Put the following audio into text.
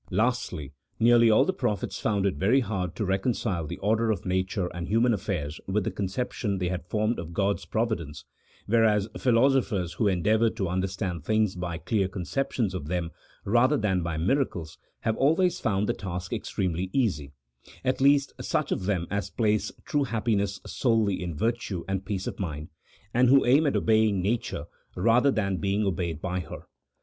Lastly, nearly all the prophets found it very hard to re concile the order of nature and human affairs with the conception they had formed of God's providence, whereas philosophers who endeavour to understand things by clear conceptions of them, rather than by miracles, have always found the task extremely easy — at least, such of them as place true happiness solely in virtue and peace of mind, and who aim at obeying nature, rather than being obeyed by her.